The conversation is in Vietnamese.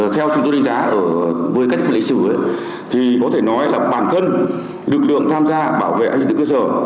theo chúng tôi đánh giá với các lý sử thì có thể nói là bản thân lực lượng tham gia bảo vệ an ninh trật tự ở cơ sở